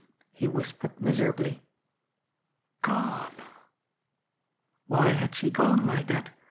he whispered miserably. "Gone!" Why had she gone like that?